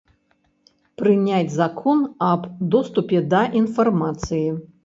Прыняць закон аб доступе да інфармацыі.